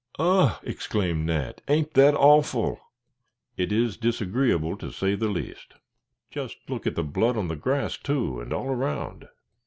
"Ugh!" exclaimed Nat; "ain't that awful?" "It is disagreeable, to say the least." "Just look at the blood on the grass, too, and all around.